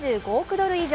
ドル以上！